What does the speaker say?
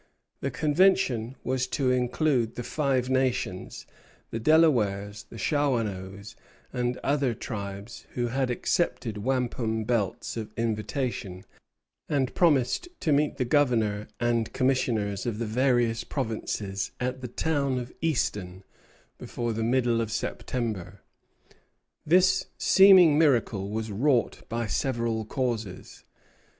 The convention was to include the Five Nations, the Delawares, the Shawanoes, and other tribes, who had accepted wampum belts of invitation, and promised to meet the Governor and Commissioners of the various provinces at the town of Easton, before the middle of September. This seeming miracle was wrought by several causes.